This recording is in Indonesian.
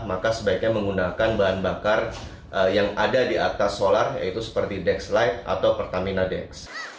maka sebaiknya menggunakan bahan bakar yang ada di atas solar yaitu seperti dex light atau pertamina dex